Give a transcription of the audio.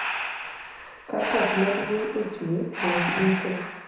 Ka koth maduong' ochwe, rech duto